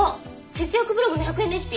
節約ブログの百円レシピ？